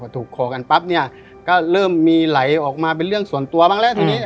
ถูกคอกันปั๊บเนี่ยก็เริ่มมีไหลออกมาเป็นเรื่องส่วนตัวบ้างแล้วทีนี้